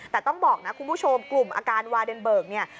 แต่ต้องบอกนะคุณผู้ชมกลุ่มอาการวาเดนเบิกเนี่ย